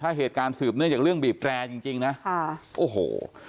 ถ้าเหตุการณ์สืบเนื่องจากเรื่องบีบแร่จริงจริงนะค่ะโอ้โห